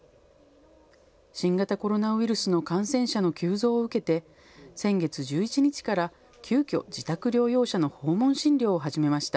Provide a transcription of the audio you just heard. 新型コロナウイルスの感染者の急増を受けて先月１１日から急きょ、自宅療養者の訪問診療を始めました。